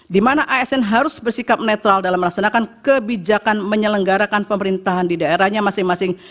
di mana asn harus bersikap netral dalam melaksanakan kebijakan menyelenggarakan pemerintahan di daerahnya masing masing